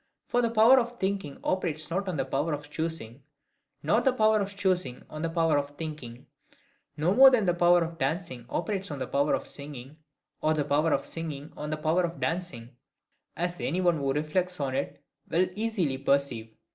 For the power of thinking operates not on the power of choosing, nor the power of choosing on the power of thinking; no more than the power of dancing operates on the power of singing, or the power of singing on the power of dancing, as any one who reflects on it will easily perceive.